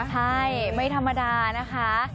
ใช่ไม่ธรรมดานะคะ